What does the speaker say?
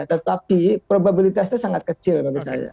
tetapi probabilitasnya sangat kecil bagi saya